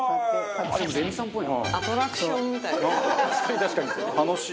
でもレミさんっぽいな。